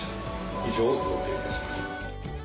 以上を贈呈いたします。